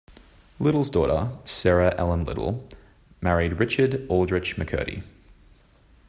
Little's daughter, Sarah Ellen Little, married Richard Aldrich McCurdy.